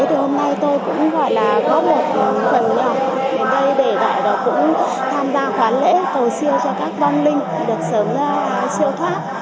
hôm nay tôi cũng gọi là có một phần nhà ở đây để lại và cũng tham gia khoán lễ cầu siêu cho các vong linh